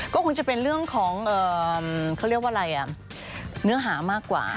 ก็คงจะเป็นเรื่องของเขาเรียกว่าอะไรอ่ะเนื้อหามากกว่า